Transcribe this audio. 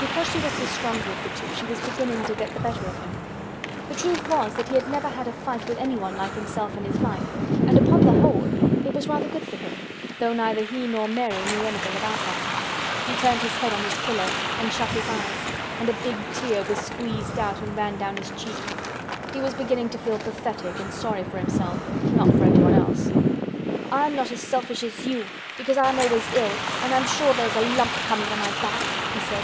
Because she was the stronger of the two she was beginning to get the better of him. The truth was that he had never had a fight with anyone like himself in his life and, upon the whole, it was rather good for him, though neither he nor Mary knew anything about that. He turned his head on his pillow and shut his eyes and a big tear was squeezed out and ran down his cheek. He was beginning to feel pathetic and sorry for himself—not for anyone else. "I'm not as selfish as you, because I'm always ill, and I'm sure there is a lump coming on my back," he said.